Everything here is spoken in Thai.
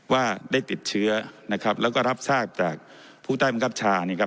ว่าได้ติดเชื้อนะครับแล้วก็รับทราบจากผู้ใจบังกับชา